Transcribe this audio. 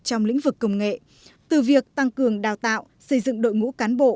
trong lĩnh vực công nghệ từ việc tăng cường đào tạo xây dựng đội ngũ cán bộ